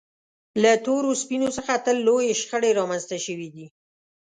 له تورو سپینو څخه تل لویې شخړې رامنځته شوې دي.